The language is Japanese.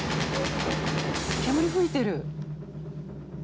煙吹いてる。